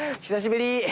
久しぶり！